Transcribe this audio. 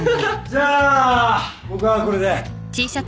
じゃあ僕はこれで。